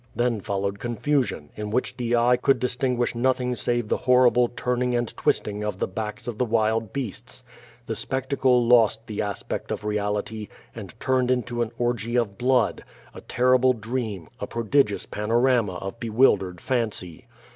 Then fol lowed confusion, in which the eye could distinguish nothing save the horrible turning and twisting of the backs of the wild beasts. The spectacle lost the aspect of reality, and turned into an orgy of blood, a terrible dream, a prodigious panorama of bewildered fancy.